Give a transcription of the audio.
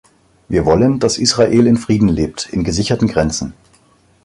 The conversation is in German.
Wir wollen, dass Israel in Frieden lebt, in gesicherten Grenzen.